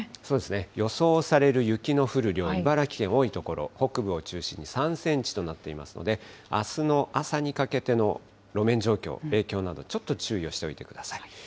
そうですね、予想される雪の降る表、茨城県、多い所、北部を中心に３センチとなっていますので、あすの朝にかけての路面状況、影響などちょっと注意をしておいてください。